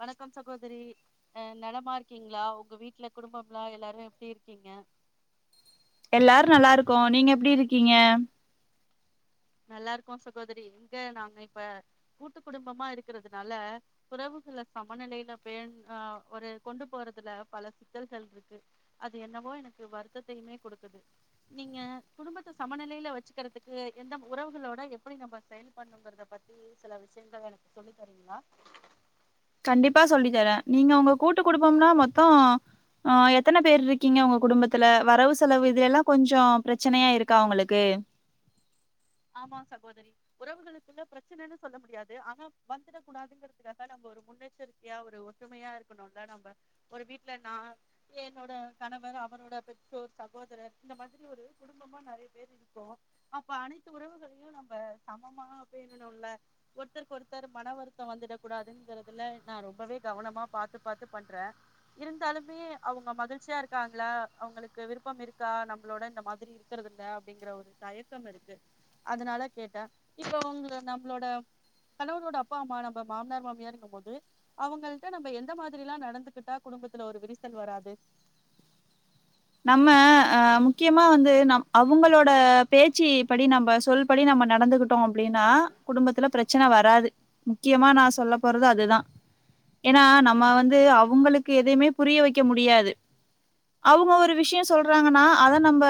வணக்கம் சகோதரி அ நலமா இருக்கீங்களா உங்க வீட்ல குடும்பம்லா எல்லாரு எப்டி இருக்கீங்க எல்லாரு நல்லாருக்கோ நீங்க எப்டி இருக்கீங்க நல்லாருக்கோ சகோதரி இங்க நாங்க இப்ப கூட்டு குடும்பமா இருக்கிறதுனால உறவுகள்ல சமநிலையில பேண் அ ஒரு கொண்டு போறதுல பல சிக்கல்கள் இருக்கு அது என்னவோ எனக்கு வருத்தத்தையுமே குடுக்குது, நீங்க குடும்பத்த சமநிலையில வச்சுக்குறதுக்கு என்ன உறவுகளோட எப்படி நம்ம செயல் படுணுங்கறத பத்தி சில விஷயங்கள் எனக்கு சொல்லி தரீங்களா கண்டிப்பா சொல்லி தரே, நீங்க உங்க கூட்டு குடு ம்பம்னா மொத்தோ ஆ எத் எத்தன பேர் இருக்கீங்க உங்க குடும்பத்தல வரவு செலவு இது எல்லா கொஞ்சோ பிரச்சனையா இருக் கா உங்களுக்கு ஆமாங் சகோதரி உறவுகளுக்குள்ள பிரச்சனன்னு சொல்ல முடியாது ஆனா வந்துட கூடாதுங்கிறதுக்காக நம்ம ஒரு முன்னெச்சரிக்கையா ஒரு ஒற்றுமையா இருக்கணுல்ல நாம்ப ஒரு வீட்ல நா என்னோட கணவர் அவரோட பெற்றோர் சகோதரர் இந்த மாதிரி ஒரு குடும்பமா நெறைய பேர் இருக்கோ அப்ப அனை த்து உறவுகளையு நாம்ப சமமா பேணணுல்ல ஒருத்தருக்கு ஒருத்தர் மன வருத்த வந்துட கூடாதுங்கறதுல நா ரொம்பவே கவனமா பாத்து பாத்து பண்ற இருந்தாலுமே அவங்க மகிழ்ச்சியா இருக்காங்ளா அவங்களுக்கு விருப்பம் இருக்கா நம்மளோட இந்த மாதிரி இருக்கிறதுல்ல அப்படிங்கற ஒரு தயக்கம் இருக்கு அதனால கேட்ட இப்ப உங்க நம்மளோட கணவரோட அப்பா அம்மா நம்ப மாமனார் மாமியாருங்கம்போது அவங்கள்ட்ட நம்ம எந்த மாதிரிலா நடந்துகிட்டா குடும்பத்துல ஒரு விரிசல் வராது நம்ம அ முக்கியமா வந்து நம் அவங்களோட பேச்சு படி நம்ம சொல்படி நம்ம நடந்துகிட்டோ அப்டின்னா குடும்பத்துல பிரச்சனை வராது முக்கியமா நா சொல்ல போறது அதுதா ஏனா நம்ம வந்து அவங்களுக்கு எதைமே புரிய வக்க முடியாது அவுங்க ஒரு விஷய சொல்றாங்கனா அத நம்ம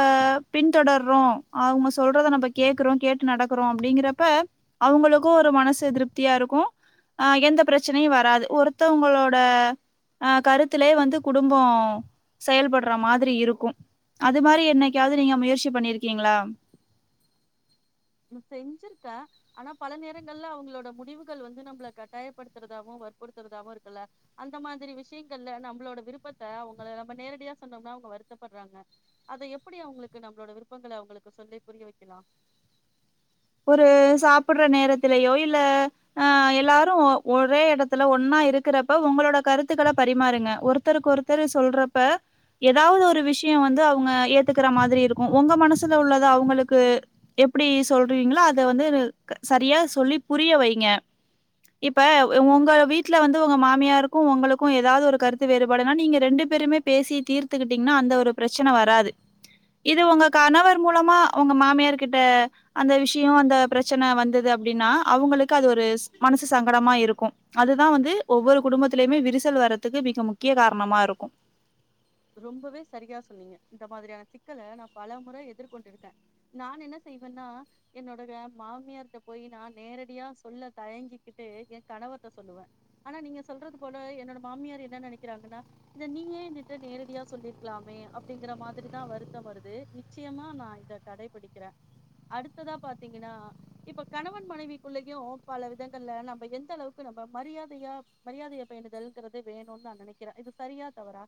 பின்தொடர்றோ அவங்க சொல்றத நம்ப கேக்குறோ கேட்டு நடக்கறோ அப்டிங்கிறப்ப அவங்களுக்கு ஒரு மனசு திருப்தியாருக்கு ஆ எந்த பிரச்சனையு வராது ஒருத்தவங்களோட அ கருத்திலே வந்து குடும்ப செயல்படற மா இருக்கு அது மாரி என்னைக்காது நீங்க முயற்சி பண்ணிருக்கீங்களா செஞ்சுருக்கே ஆனா பல நேரங்கள்ல அவங்களோட முடிவுகள் வந்து நம்பள கட்டாயப்படுத்துறதாவு வற்புடுத்துறதாவு இருக்குல்ல அந்த மாதிரி விஷயங்கள்ல நம்மளோட விருப்பத்த அவங்கள நம்ப நேரடியா சொன்னோம்னா அவங்க வருத்தப்படுறாங்க அத எப்படி அவுங்களுக்கு நம்மளோட விருப்பங்கள அவுங்களுக்கு சொல்லி புரிய வைக்கலா ஒரு சாப்ட்ற நேரத்துலயோ இல்ல ஆஹ் எல்லாரு ஒரே எடத்துல ஒன்னா இருக்கிறப்ப ஒங்களோட கருத்துகள பரிமாறுங்க ஒருத்தருக்கு ஒருத்தர் சொல்றப்ப எதாவது ஒரு விஷயோ வந்து அவுங்க ஏத்துக்கற மாரி இருக்கு ஒங்க மனசுல உள்ளத அவுங்ளுக்கு எப்டி சொல் அத வந்து சரியா சொல்லி புரிய வைங்க இப்ப ஒங்க வீட்ல வந்து ஒங்க மாமியாருக்கு ஒங்ளுக்கு எதாது ஒரு கருத்து வேறுபாடுனா நீங்க ரெண்டு பேருமே பேசி தீர்த்துகிட்டீங்கன்னா அந்த ஒரு பிரச்சன வராது இது உங்க கணவர் மூலமா ஒங்க மாமியார் கிட்ட அந்த விஷயோ அந்த பிரச்சன வந்தது அப்டின்னா அவுங்களுக்கு அது ஒரு மனசு சங்கடமா இருக்கு அதுதா வந்து ஒவ்வொரு குடும்பத்துலயுமே விரிசல் வறதுக்கு மிக முக்கிய காரணமா இருக்கு ரொம்பவே சரியா சொன்னீங்க இந்த மாரியான சிக்கல நா பல முறை எதிர்கொண்டிருக்கே நான் என்ன செய்வேன்னா என்னோட மாமியார்ட்ட போய் நா நேரடியா சொல்ல தயங்கிக்கிட்டு ஏ கணவர்ட்ட சொல்லுவே ஆனா நீங்க சொல்றது போல என்னோட மாமியார் என்ன நெனைக்கிறாங்கன்னா இத நீயே ஏ ன்ட்ட நேரடியா சொல்லிருக்கலாமே அப்டிங்கிற மாரிதா வருத்தம் வருது நிச்சயமா நா இத கடைபிடிக்கிறே அடுத்ததா பாத்தீங்கன்னா இப்ப கணவன் மனைவிக்குள்ளயு பல விதங்கள்ல நம்ப எந்த அளவுக்கு நம்ப மரியாதையா மரியாதைய பேணுதல்கறது வேணுனு நா நெனைக்கிறே இது சரியா தவறா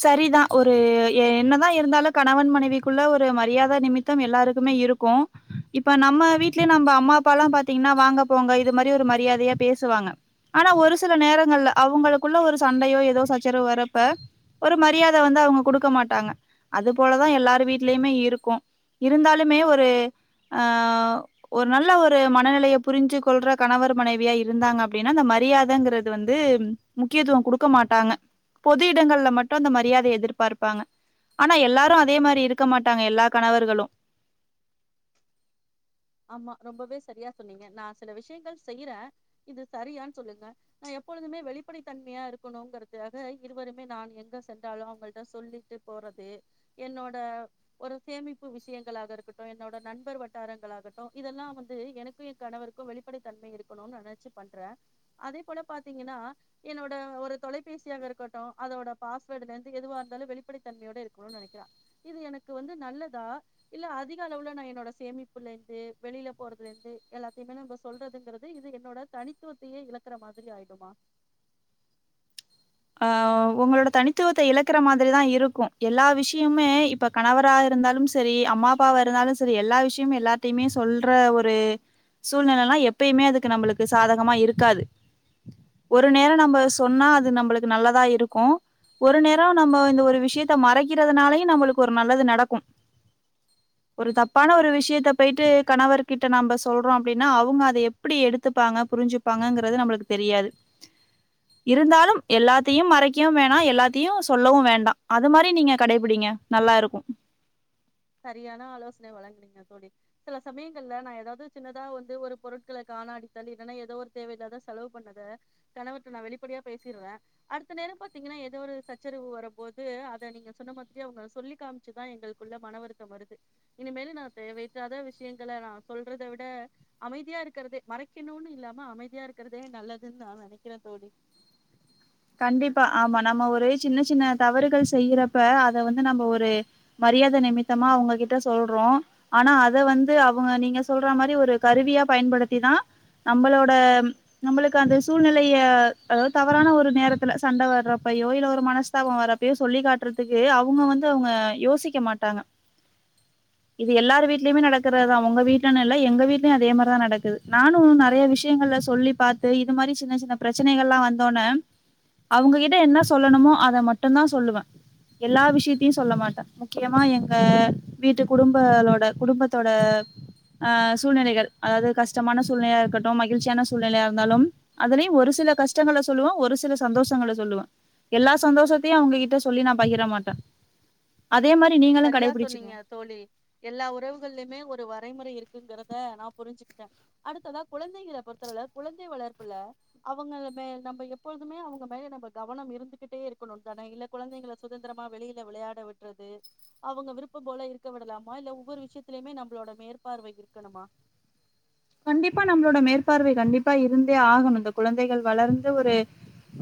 சரிதா ஒரு என்னதா இருந்தாலு கணவன் மனைவிக்குள்ள ஒரு மரியாத நிமித்தம் எல்லாருக்குமே இருக்கு இப்ப நம்ப வீட்லயே நம்ப அம்மா அப்பாலா பாத்தீங்கன்னா வாங்க போங்க இது மாரி ஒரு மரியாதையா பேசுவாங்க ஆனா ஒரு சில நேரங்கள்ல அவுங்ளுக்குள்ள ஒரு சண்டையோ எதோ சச்சரவோ வரப்ப ஒரு மரியாத வந்து அவங்க குடுக்க மாட்டாங்க அது போலதா எல்லார் வீட்லயுமே இருக்கு இருந்தாலுமே ஒரு ஆஹ் ஒரு நல்ல ஒரு மனநிலைய புரிஞ்சு கொள்ற கணவர் மனைவியா இருந்தாங்க அப்டின்னா அந்த மரியாதங்கறது வந்து முக்கியத்துவம் குடுக்க மாட்டாங்க பொது எடங்கள்ல மட்டு அந்த மரியாதைய எதிர்பார்ப்பாங்க ஆனா எல்லாரு அதே மாரி இருக்க மாட்டாங்க எல்லா கணவர்களு ஆமா ரொம்பவே சரியா சொன்னீங்க நா சில விஷயங்கள் செய்றே இது சரியான்னு சொல்லுங்க நா எப்பொழுதுமே வெளிப்படை தன்மையா இருக்கணுங்கறதுக்காக இருவருமே நான் எங்க சென்றாலு அவங்கள்ட்ட சொல்லிட்டு போறது என்னோட ஒரு சேமிப்பு விஷயங்களாக இருக்கட்டு என்னோட நண்பர் வட்டாரங்களாகட்டு இதெல்லா வந்து எனக்கு என் கணவருக்கு வெளிப்படை தன்மை இருக்கணும்னு நெனைச்சு பண்றே அதே போல பாத்தீங்கன்னா என்னோட ஒரு தொலைபேசியாக இருக்கட்டு அதோட பாஸ்வேர்ட்ல இருந்து எதுவா இருந்தாலு வெளிப்படை தன்மையோட இருக்கணுனு நெனைக்கிறா இது எனக்கு வந்து நல்லதா இல்ல அதிக அளவுல நா என்னோட சேமிபுலே வெளியில போறதுல இருந்து எல்லாத்தைமே நம்ப சொல்றதுங்கறது இது என்னோட தனித்துவத்தையே இழக்குற மாதிரி ஆயிடுமா ஆஹ் ஒங்ளோட தனித்துவத்த இழக்குற மாதிரிதா இருக்கு எல்லா விஷயமுமே இப்ப கணவராக இருந்தாலும் சரி அம்மா அப்பாவா இருந்தாலு சரி எல்லா விஷயமு எல்லாத்தைமே சொல்ற ஒரு சூழ்நெலலா எப்பயுமே அதுக்கு நம்ளுக்கு சாதகமா இருக்காது ஒரு நேரோ நம்ப சொன்னா அது நம்ளுக்கு நல்லதா இருக்கு ஒரு நேரோ நம்ப இந்த ஒரு விஷயத்த மறைக்கிறதுனாலயு நம்ளுக்கு ஒரு நல்லது நடக்கு ஒரு தப்பான ஒரு விஷயத்த பொய்ட்டு கணவர் கிட்ட நம்ப சொல்றோ அப்டின்னா அவங்க அத எப்டி எடுத்துப்பாங்க புரிஞ்சுப்பாங்கங்றது நம்ளுக்கு தெரியாது இருந்தாலும் எல்லாத்தையு மறைக்கவு வேணா எல்லாத்தையு சொல்லவு வேண்டா அது மாரி நீங்க கடைபிடிங்க நல்லாருக்கு சரியான ஆலோசனை வழங்குனீங்க தோளி சில சமயங்கள்ல நா ஏதாவது சின்னதா வந்து ஒரு பொருட்கள காணாடித்தால் இல்லனா எதோ ஒரு தேவையில்லாதா செலவு பண்ணத கணவர்ட்ட நா வெளிப்படையா பேசிருவே அடுத்த நேரோ பாத்தீங்கன்னா எதோ ஒரு சச்சரவு வரபோது அத நீங்க சொன்ன மாதிரியே அவங்க சொல்லி காமிச்சுதா எங்ளுக்குள்ள மனவருத் தம் வருது இனிமேல் நா தேவைல்லாத விஷியங்கள நா சொல்றத விட அமைதியா இருக்றதே மறைக்கணுனு இல்லாம அமைதியா இருக்கறதே நல்லதுன்னு நா நெனைக்கிறே தோளி கண்டிப்பா ஆமா நம்ப ஒரு சின்ன சின்ன தவறுகள் செய்யறப்ப அத வந்து நம்ப ஒரு மரியாத நிமித்தமா அவங்ககிட்ட சொல்றோ ஆனா அத வந்து அவுங்க நீங்க சொல்ற மாரி ஒரு கருவியா பயன்படுத்திதா நம்பளோட நம்ளுக்கு அந்த சூழ்நிலைய அதாவது தவறான ஒரு நேரத்துல சண்ட வறப்பயோ இல்ல ஒரு மனஸ்தாபோ வறப்பயோ சொல்லி காட்றதுக்கு அவுங்க வந்து அவுங்க யோசிக்க மாட்டாங்க இது எல்லாரு வீட்லயுமே நடக்கறதுதா ஒங்க வீட்லன்னு இல்ல எங்க வீட்லயு அதே மாரிதா நடக்குது நானு நெறைய விஷயங்கள்ல சொல்லி பாத்து இது மாரி சின்ன சின்ன பிரச்சனைகள்லா வந்தோனே அவங்ககிட்ட என்ன சொல்லணுமோ அத மட்டு தா சொல்லுவே எல்லா விஷயத்தையு சொல்ல மாட்டே முக்கியமா எங்க வீட்டு குடும்பளோட குடும்பத்தோட ஆ சூழ்நிலைகள் அதாது கஷ்டமான சூழ்நிலையா இருக்கட்டும் மகிழ்ச்சியான சூழ்நிலையா இருந்தாலு அதுலயு ஒரு சில கஷ்டங்கள சொல்லுவோ ஒரு சில சந்தோஷங்கள சொல்லுவே எல்லா சந்தோஷத்தையு அவங்ககிட்ட சொல்லி நா பகிர மாட்டே சரியா சொன்னீங்க தோளி எல்லா உறவுகள்யுமே ஒரு வ றைமுறை இருக்குங்கறத நா புரிஞ்சுகிட்டே அடுத்ததா குழந்தைகள பொறுத்தளவுல குழந்தை வளர்ப்புல அவங்க மே நம்ப எப்பொழுதுமே அவங்க மேல நம்ப கவனம் இருந்துகிட்டே இருக்கணு தானே இல்ல குழந்தைங்கள சுதந்திரமா வெளியில விளயாட விட்றது அவங்க விருப்பம் போல இருக்க விடலாமா இல்ல ஒவ்வொரு விஷயத்துலயுமே நம்பளோட மேற்பார்வை இருக்கணுமா கண்டிப்பா நம்பளோட மேற்பார்வை கண்டிப்பா இருந்தே ஆகணு இந்த குழந்தைகள் வளர்ந்து ஒரு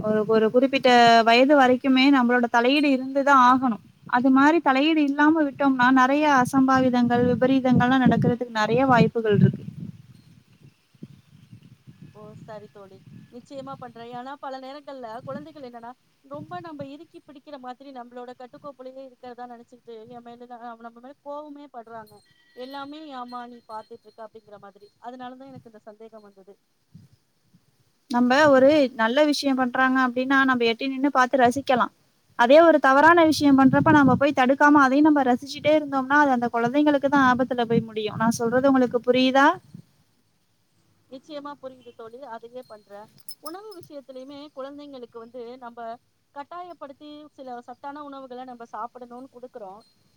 ஒரு ஒரு குறிப்பிட்ட வயது வரைக்குமே நம்பளோட தலையீடு இருந்துதா ஆகணு அது மாரி தலையீடு இல்லாம விட்டோம்னா நறையா அசம்பாவிதங்கள் விபரீதங்கள்லா நடக்கறதுக்கு நறையா வாய்ப்புகள் இருக்கு ஓ சரி தோளி நிச்சயமா பண்றே ஏனா பல நேரங்கள்ல குழந்தைகள் என்னன்னா ரொம்ப நம்ப இருக்கி பிடிக்கிற மாதிரி நம்பளோட கட்டுக்கோப்புலயே இருக்கறதா நெனச்சுக்கிட்டு ஏ மேலலா நம்ப மேல கோவமே படுறாங்க எல்லாமே ஆமா நீ பாத்துட்ருக்க அப்டிங்கிற மாதிரி அதனாலதா எனக்கு இந்த சந்தேகம் வந்தது நம்ம ஒரு நல்ல விஷயம் பண்றாங்க அப்டின்னா நம்ப எட்டி நின்னு பாத்து ரசிக்கலா அதே ஒரு தவறான விஷயம் பண்றப்ப நம்ப போய் தடுக்காம அதையு நம்ப ரசிச்சிட்டே இருந்தோம்னா அது அந்த குழந்தைங்களுக்கு தா ஆபத்துல போய் முடியு நா சொல்றது உங்ளுக்கு புரியுதா நிச்சயமா புரியுது தோழி அதையே பண்றே உணவு விஷயத்துலயுமே குழந்தைங்களுக்கு வந்து நம்ப கட்டாயப்படுத்தி சில சத்தான உணவுகள நம்ப சாப்டணுனு குடுக்குறோ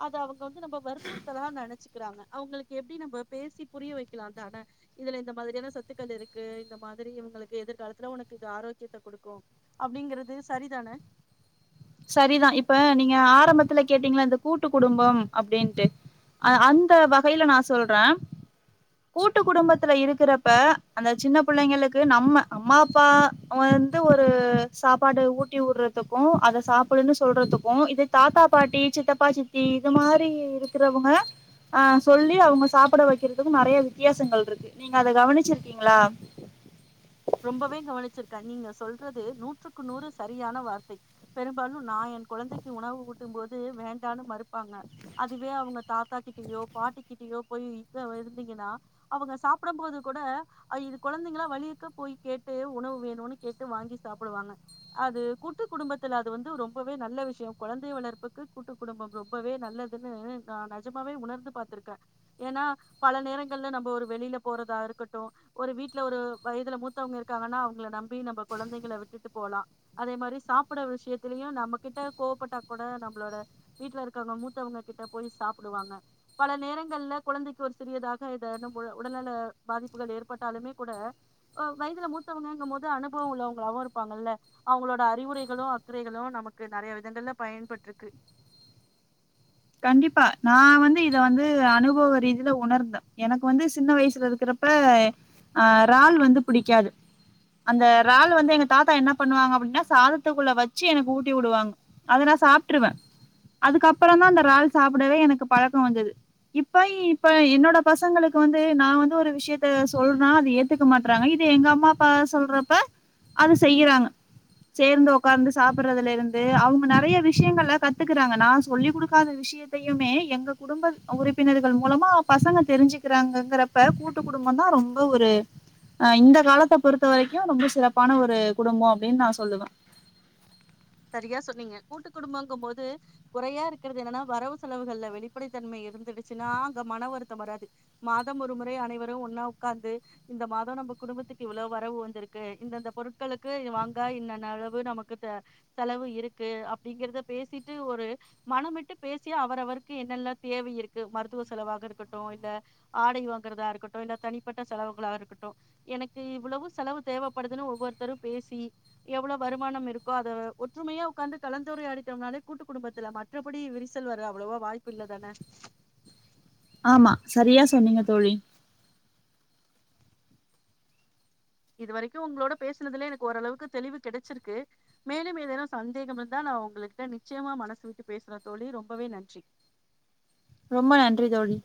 அத அவங் க வந்து நம்ப வற்புறுத்தலா நென சிக்கிறாங்க அவுங்ளுக்கு எப்டி நம்ப பேசி புரிய வெக்கலா தான இதுல இந் மாதிரியான சத்துக்கள் இருக்கு இந்த மாதிரி இவுங்ளுக்கு எதிர்காலத்துல உனக்கு இது ஆரோக்கியத்த குடுக்கு அப்டிங்கறது சரிதானே சரிதா இப்ப நீங்க ஆரம்பத்துல கேட்டீங்கள இந்த கூட்டு குடும்ப அப்டின்ட்டு ஆ அந்த வகையில நா சொல்றே கூட்டு குடும்பத்துல இருக்கறப்ப அந்த சின்ன பிள்ளைங்களுக்கு நம்ப அம்மா அப்பா வந்து ஒரு சாப்பாடு ஊட்டி உடுறதுக்கு அத சாப்டுன்னு சொல்றதுக்கு இதே தாத்தா பாட்டி சித்தப்பா சித்தி இது மாரி இருக்குறவங்க ஆ சொல்லி அவங்க சாப்பட வைக்கறதுக்கு நெறைய வித்தியாசங்கள் இருக்கு நீங்க அத கவனிச்சிருக்கீங்களா ரொம்பவே கவனிச்சிருக்கே நீங்க சொல்றது நூற்றுக்கு நூறு சரியான வார்த்தை பெரும்பாலு நா என் குழந்தைக்கு உணவு ஊட்டும் போது வேண்டான்னு மறுப்பாங்க அதுவே அவங்க தாத்தா கிட்டயோ பாட்டிக்கிட்டயோ போய் டு இருந்தீங்கன்னா அவங்க சாப்டும் போது கூட இது குழந்தைங்களா வளியக்க போய் கேட்டு உணவு வேணுனு கேட்டு வாங்கி சாப்டுவாங்க அது கூட்டு குடும்பத்துல அது வந்து ரொம்பவே நல்ல விஷயோ கொழந்தை வளர்ப்புக்கு கூட்டு குடும்பம் ரொம்பவே நல்லதுன்னு நா நெஜமாவே உணர்ந்து பாத்துருக்கே ஏன்னா பல நேரங்கள்ல நம்ப ஒரு வெளியில போறதா இருக்கட்டு ஒரு வீட்ல ஒரு வயதுல மூத் மூத்தவங்க இருக்காங்கன்னா அவங்கள நம்பி நம்ப கொழந்தைங்கள விட்டுட்டு போலா அதே மாரி சாப்ட்ற விஷயத்துலயு நம்ப கிட்ட கோவப்பட்டா கூட நம்பளோட வீட்ல இருக்கவங்க மூத்தவங்க கிட்ட போய் சாப்டுவாங்க பல நேரங்கள்ல குழந்தைக்கு ஒரு சிறியதாக இத உடல்நல பாதிப்புகள் ஏற்பட்டாலுமே கூட வயதுல மூத்தவங்ககும் போது அனுபவோ உள்ளவங்களாவு இருப்பாங்கல அவங்களோட அறிவுரைகளு அக்கறைகளு நமக்கு நறைய விதங்கள்ல பயன்பட்ருக்கு கண்டிப்பா நா வந்து இத வந்து அனுபவ ரீதியில உணர்ந்தே எனக்கு வந்து சின்ன வயசுல இருக்குறப்ப ஆ இறால் வந்து படிக்காது அந்த இறால் வந்து எங்க தாத்தா என்ன பண்ணுவாங்க அப்டின்னா சாதத்துக்குள்ள வச்சி எனக்கு ஊட்டி உடுவாங்க அத நா சாப்ட்டுருவே அதுக்கப்றோ தா இறால் சாப்டவே எனக்கு பழக்கோ வந்தது இப்ப இப்ப என்னோட பசங்களுக்கு வந்து நா வந்து ஒரு விஷயத்த சொல்றா அது ஏத்துக்க மாட்றாங்க இது எங்க அம்மா அப்பா சொல்றப்ப அது செய்றாங்க சேர்ந்து ஒக்காந்து சாப்டுறதுல இருந்து அவங்க நறைய விஷயங்கள்ல கத்துக்கறாங்க நா சொல்லிகுடுக்க க்காத விஷயத்தையுமே எங்க குடும்ப உறுப்பினர்கள் மூலமா பசங்க தெரிஞ்சிக்கிறாங்கங்கிறப்ப கூட்டு குடும்பம் தா ரொம்ப ஒரு ஆ இந்த காலத்த பொறுத்த வரைக்கு ரொம்ப சிறப்பான ஒரு குடும்போ அப்டின்னு நா சொல்லுவே சரியா சொன்னீங்க கூட்டு குடும்பங்கு போது குறையா இருக்கறது என்னன்னா வரவு செலவுகள்ல வெளிப்படைத்தன்மை இருந்துடுச்சுன்னா அங்க மன வருத்தம் வராது மாதம் ஒரு முறை அனைவரு ஒன்னா உக்காந்து இந்த மாதம் நம்ப குடும்பத்துக்கு இவ்ளோ வரவு வந்துருக்கு இந்தந்த பொருட்களுக்கு இது வாங்க இன்னன்ன அளவு நமக்கு தே செலவு இருக்கு அப்டிங்கறத பேசிட்டு ஒரு மனமிட்டு பேசியே அவரவருக்கு என்னென்ன தேவை இருக்கு மருத்துவ செலவாக இருக்கட்டு இல்ல ஆடை வாங்குறதா இருக்கட்டு இல்ல தனிப்பட்ட செலவுகளாக இருக்கட்டு எனக்கு இவ்வளவு செலவு தேவைப்படுதுன்னு ஒவ்வொருத்தரு பேசி எவ்ளோ வருமானம் இருக்கோ அத ஒற்றுமையா உக்காந்து கலந்துரையாடிட்டோம்னாலே கூட்டு குடும்பத்துல மற்றபடி விரிசல் வர அவ்ளவா வாய்ப்பு இல்லதானே ஆமா சரியா சொன்னீங்க தோழி இது வரைக்கு உங்ளோட பேசுனதுல எனக்கு ஓரளவுக்கு தெளிவு கெடச்சிருக்கு மேலு ஏதேனு சந்தேகம் இருந்தா நா உங்ள்கிட்ட நிச்சயமா மனசு விட்டு பேசுறே தோளி ரொம்பவே நன்றி ரொம்ப நன்றி தோளி